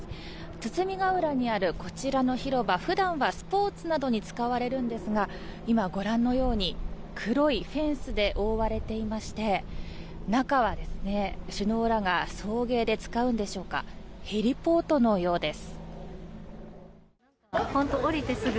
包ヶ浦にあるこちらの広場普段はスポーツなどに使われるんですが今、ご覧のように黒いフェンスで覆われていまして中は、首脳らが送迎で使うんでしょうかヘリポートのようです。